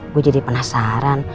gue jadi penasaran